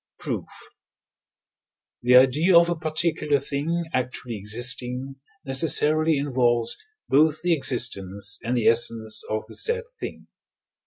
Proof. The idea of a particular thing actually existing necessarily involves both the existence and the essence of the said thing (II.